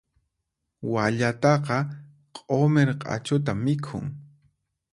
Wallataqa q'umir q'achuta mikhun.